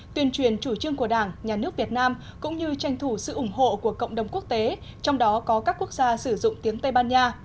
tuyên truyền chủ trương của đảng nhà nước việt nam cũng như tranh thủ sự ủng hộ của cộng đồng quốc tế trong đó có các quốc gia sử dụng tiếng tây ban nha